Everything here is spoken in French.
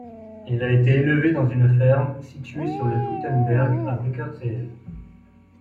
Il a été élevé dans une ferme située sur le Tuitenberg à Bekkerzeel.